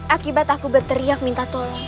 akibat aku berteriak minta tolong